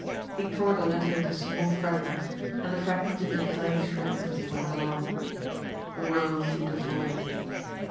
He tore the letter into small fragments and the fragments into tiny shreds as he went along. The world seemed a void.